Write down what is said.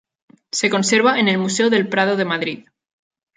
Se conserva en el Museo del Prado de Madrid.